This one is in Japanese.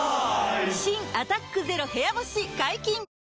新「アタックＺＥＲＯ部屋干し」解禁‼